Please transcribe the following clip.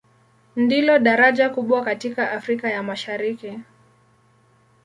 Ndilo daraja kubwa katika Afrika ya Mashariki.